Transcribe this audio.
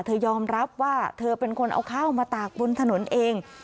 ยอมรับว่าเธอเป็นคนเอาข้าวมาตากบนถนนเอง